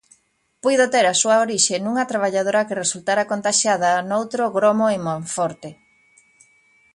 Puido ter a súa orixe nunha traballadora que resultara contaxiada noutro gromo en Monforte.